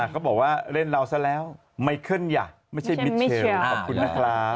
ก็บอกว่าเล่นเราซะแล้วไมเคิลอ่ะไม่ใช่มิเทลขอบคุณนะครับ